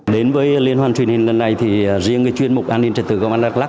đến với liên hoàn truyền hình lần này thì riêng chuyên mục an ninh trật tự công an đắk lắc